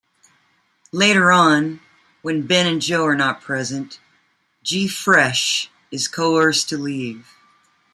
Later on, when Ben and Joe are not present, G-Fresh is coerced to leave.